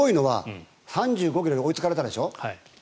すごいのは３５ｋｍで追いつかれたでしょ。